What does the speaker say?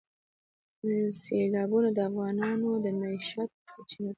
سیلابونه د افغانانو د معیشت سرچینه ده.